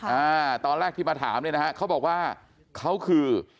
อ่าตอนแรกที่มาถามเนี่ยนะฮะเขาบอกว่าเขาคือ